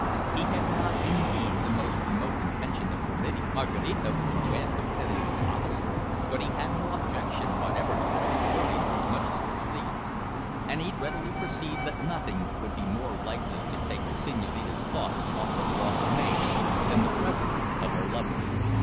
He had not, indeed, the most remote intention of permitting Maraquita to wed the penniless officer, but he had no objection whatever to their flirting as much as they pleased; and he readily perceived that nothing would be more likely to take the Senhorina's thoughts off her lost maid than the presence of her lover.